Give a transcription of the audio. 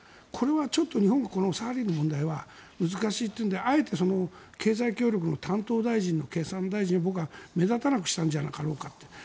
これはちょっと日本がサハリンの問題は難しいというのであえて経済協力の担当大臣の経産大臣を僕は目立たなくしたんじゃなかろうかと。